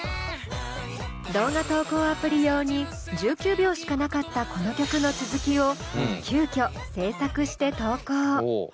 動画投稿アプリ用に１９秒しかなかったこの曲の続きを急きょ制作して投稿。